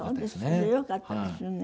それはよかったですよね。